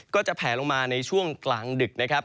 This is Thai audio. ก็จะแผลลงมาในช่วงกลางดึกนะครับ